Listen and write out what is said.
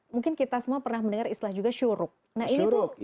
mungkin kita semua pernah mendengar istilah juga syuruk